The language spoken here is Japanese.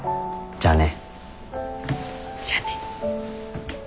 じゃあね。